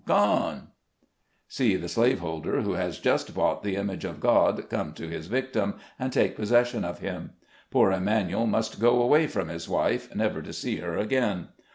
— gone !" See the slave holder, who has just bought the image of God, come to his victim, and take posses sion of him. Poor Emanuel must go away from his wife, never to see her again.